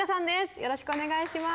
よろしくお願いします。